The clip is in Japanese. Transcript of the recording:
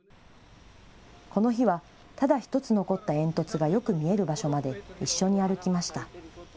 この日はただ１つ残った煙突がよく見える場所まで一緒に歩きました。